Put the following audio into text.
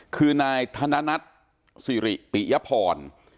คือนายธนัทสิริปิยพร